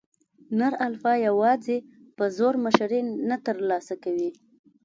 نر الفا یواځې په زور مشري نه تر لاسه کوي.